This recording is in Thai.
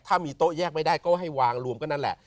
ถ้ามีโต๊ะแยกไม่ได้ก็ให้วางรวมก็นั่นแหละ